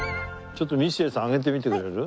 ちょっとミシェルさんあげてみてくれる？